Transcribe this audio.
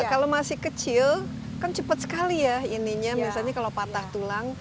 kalau masih kecil kan cepat sekali ya ininya misalnya kalau patah tulang